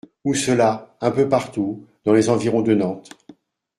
Où cela ? Un peu partout, dans les environs de Nantes.